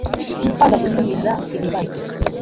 kwanga gusubiza ibibazo